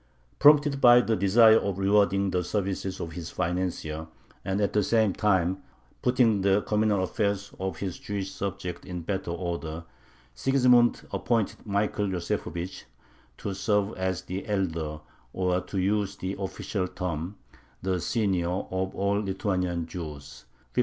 Prompted by the desire of rewarding the services of his financier and at the same time putting the communal affairs of his Jewish subjects in better order, Sigismund appointed Michael Yosefovich to serve as the elder, or, to use the official term, the "senior," of all Lithuanian Jews (1514).